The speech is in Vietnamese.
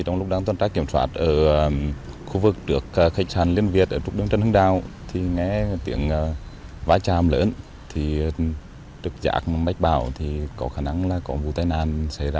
trong lúc đang tuần tra kiểm soát ở khu vực được khách sạn liên việt ở trục đường trần hương đạo nghe tiếng vãi tràm lớn được giảm mách bảo có khả năng là có vụ tai nạn